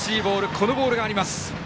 このボールがあります。